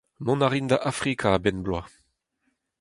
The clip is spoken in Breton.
Mont a rin da Afrika a-benn bloaz.